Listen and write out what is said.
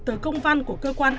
tờ công văn của cơ quan